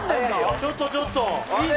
ちょっとちょっと、いいな。